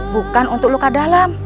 bukan untuk luka dalam